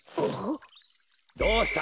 どうした？